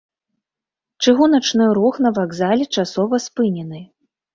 Чыгуначны рух на вакзале часова спынены.